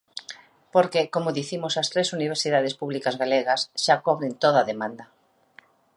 Porque, como dicimos, as tres universidades públicas galegas xa cobren toda a demanda.